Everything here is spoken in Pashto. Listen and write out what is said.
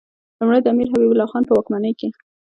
لومړی د امیر حبیب الله خان په واکمنۍ کې.